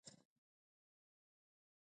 رشتې په چل ول نه چلېږي